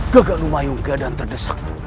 gagal lumayung keadaan terdesak